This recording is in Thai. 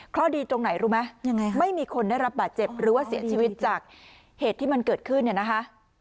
เพราะดีตรงไหนรู้ไหมไม่มีคนได้รับบาดเจ็บหรือว่าเสียชีวิตจากเหตุที่มันเกิดขึ้นเนี่ยนะคะ